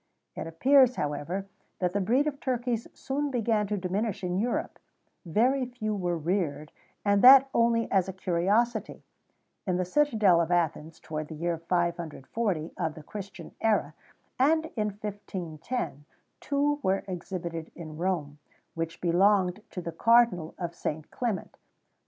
[XVII 108] It appears, however, that the breed of turkeys soon began to diminish in Europe; very few were reared, and that only as a curiosity: in the citadel of Athens, towards the year 540 of the Christian era;[XVII 109] and in 1510, two were exhibited in Rome, which belonged to the Cardinal of Saint Clement.